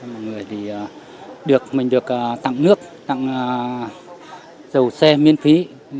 mọi người thì mình được tặng nước tặng dầu xe miễn phí